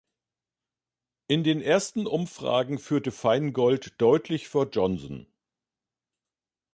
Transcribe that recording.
In den ersten Umfragen führte Feingold deutlich vor Johnson.